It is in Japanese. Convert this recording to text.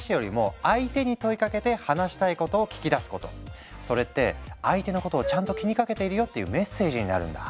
１つ目はそれって「相手のことをちゃんと気にかけているよ」っていうメッセージになるんだ。